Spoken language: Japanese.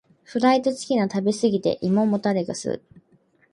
フライドチキンの食べ過ぎで胃もたれがする。